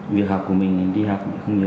việc học của mình đi học cũng không nhớ